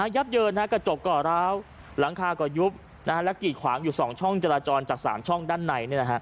ับเยินกระจกก่อร้าวหลังคาก่อยุบและกีดขวางอยู่๒ช่องจราจรจาก๓ช่องด้านใน